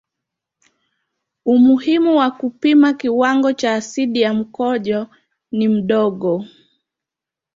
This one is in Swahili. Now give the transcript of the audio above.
Umuhimu wa kupima kiwango cha asidi ya mkojo ni mdogo.